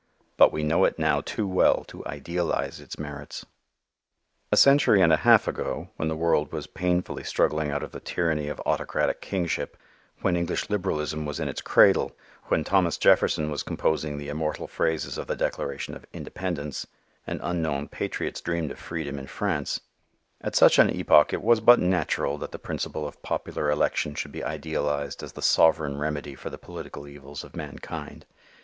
But we know it now too well to idealize its merits. A century and a half ago when the world was painfully struggling out of the tyranny of autocratic kingship, when English liberalism was in its cradle, when Thomas Jefferson was composing the immortal phrases of the Declaration of Independence and unknown patriots dreamed of freedom in France, at such an epoch it was but natural that the principle of popular election should be idealized as the sovereign remedy for the political evils of mankind.